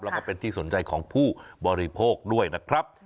แล้วก็เป็นที่สนใจของผู้บริโภคด้วยนะครับ